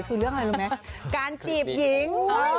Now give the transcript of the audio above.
คือเรื่องอะไรรู้ไหมการจีบหญิง